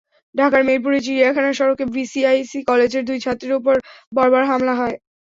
ঢাকার মিরপুরের চিড়িয়াখানা সড়কে বিসিআইসি কলেজের দুই ছাত্রীর ওপর বর্বর হামলা হয়।